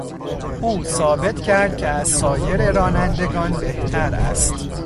او ثابت کرد که از سایر رانندگان بهتر است.